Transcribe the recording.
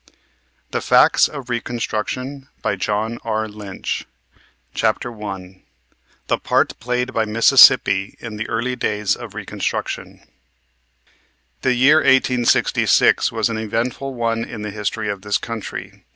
THE FACTS OF RECONSTRUCTION CHAPTER I THE PART PLAYED BY MISSISSIPPI IN THE EARLY DAYS OF RECONSTRUCTION The year 1866 was an eventful one in the history of this country.